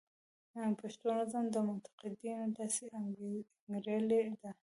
پښتو نظم منتقدینو داسې انګیرلې ده.